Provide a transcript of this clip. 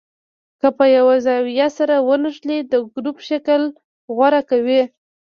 که په یوه زاویه سره ونښلي د ګروپ شکل غوره کوي.